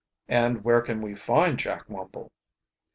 "And where can we find Jack Wumble?